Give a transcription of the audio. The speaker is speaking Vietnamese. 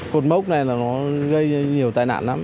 cột mốc này là nó gây nhiều tai nạn lắm